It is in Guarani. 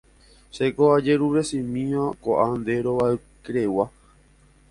Chéko ajeruresemive ko'ã nde rogaykereguápe